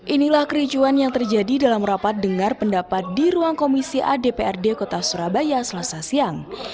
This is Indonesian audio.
inilah kericuan yang terjadi dalam rapat dengar pendapat di ruang komisi adprd kota surabaya selasa siang